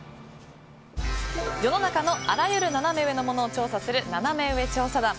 世の中のあらゆるナナメ上のものを調査するナナメ上調査団。